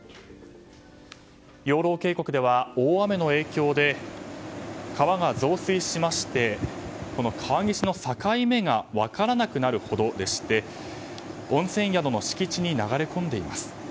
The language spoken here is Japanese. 養老渓谷では大雨の影響で川が増水しまして川岸の境目が分からなくなるほどでして温泉宿の敷地に流れ込んでいます。